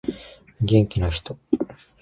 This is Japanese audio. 元気な人